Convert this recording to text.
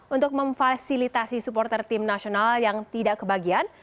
untuk memfasilitasi supporter tim nasional yang tidak kebagian